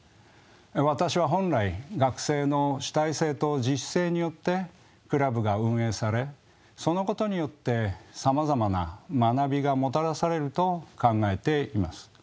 私は本来学生の主体性と自主性によってクラブが運営されそのことによってさまざまな学びがもたらされると考えています。